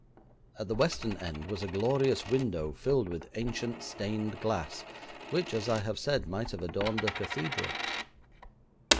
At the western end was a glorious window filled with ancient stained glass, which, as I have said, might have adorned a cathedral.